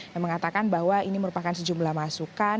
yang mengatakan bahwa ini merupakan sejumlah masukan